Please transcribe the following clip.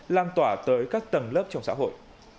lan tỏa tới các tầng lớp trong xã hội